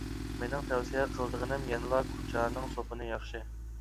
مىنىڭ تەۋسىيە قىلىدىغىنىم يەنىلا كۇچانىڭ سوپۇنى ياخشى.